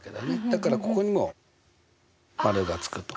だからここにも丸がつくと。